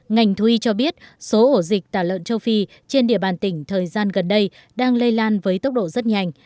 ngành thú y cho biết số ổ dịch tả lợn châu phi trên địa bàn tỉnh thời gian gần đây đang lây lan với tốc độ rất nhanh